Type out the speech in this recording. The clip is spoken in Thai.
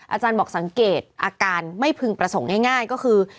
อาจารย์บอกสังเกตอาการไม่พึงประสงค์ง่ายก็คือ